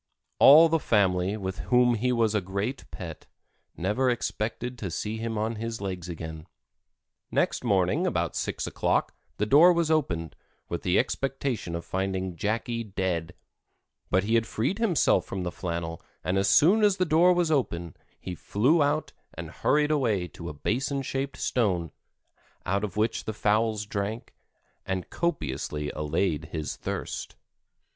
All the family, with whom he was a great pet, never expected to see him on his legs again. Next morning about six o'clock the door was opened, with the expectation of finding Jackie dead, but he had freed himself from the flannel and as soon as the door was open he flew out and hurried away to a basin shaped stone, out of which the fowls drank, and copiously allayed his thirst.